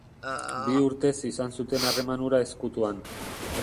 Bi urtez izan zuten harreman hura ezkutuan.